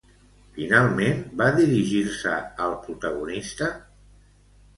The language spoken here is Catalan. Finalment va dirigir-se al protagonista?